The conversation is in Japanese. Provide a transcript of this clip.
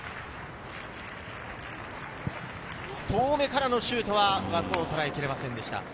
遠めからのシュートは枠をとらえていませんでした。